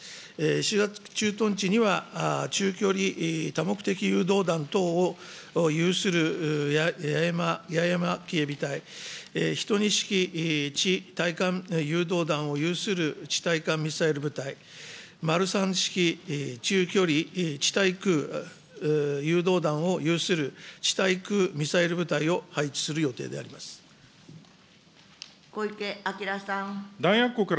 石垣駐屯地には、中距離多目的誘導弾等を有する八重山警備隊、１２式地対艦誘導弾を有する地対艦ミサイル部隊、○三式中距離地対空誘導弾を有する地対空ミサイル部隊を配置する小池晃さん。